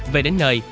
về đến nơi